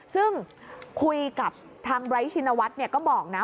ซึ่งคุยกับทางไร้ชินวัฒน์ก็บอกนะ